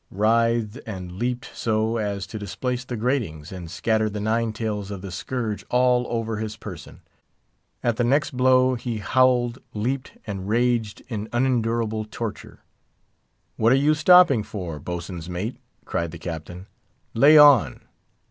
_" writhed and leaped so as to displace the gratings, and scatter the nine tails of the scourge all over his person. At the next blow he howled, leaped, and raged in unendurable torture. "What are you stopping for, boatswain's mate?" cried the Captain. "Lay on!"